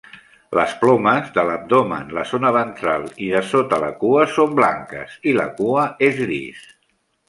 Les plomes de l'abdomen, la zona ventral i de sota la cua són blanques i la cua és gris.